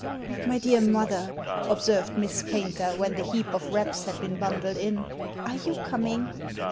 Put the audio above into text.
" My dear mother," observed Miss Paynter, when the heap of wraps had been bundled in, "are you coming?"